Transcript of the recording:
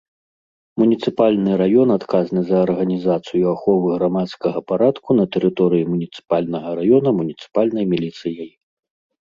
Муніцыпальны раён адказны за арганізацыю аховы грамадскага парадку на тэрыторыі муніцыпальнага раёна муніцыпальнай міліцыяй.